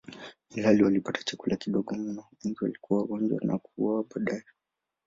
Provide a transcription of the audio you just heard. Ilhali walipata chakula kidogo mno, wengi walikuwa wagonjwa na kuuawa baadaye.